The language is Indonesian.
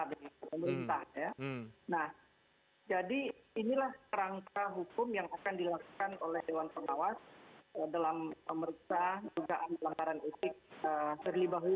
nah jadi inilah rangka hukum yang akan dilakukan oleh dewan pengawas dalam pemeriksaan dugaan pelanggaran etik terlibat